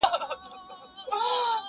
یار ګیله من له دې بازاره وځم,